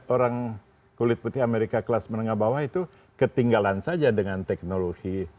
orang kulit putih amerika kelas menengah bawah itu ketinggalan saja dengan teknologi